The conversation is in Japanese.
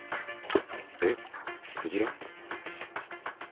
えっクジラ？